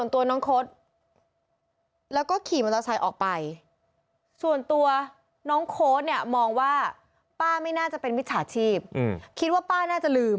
แต่แกมองว่าป้าไม่น่าจะเป็นมิจฉาชีพคิดว่าป้าน่าจะลืม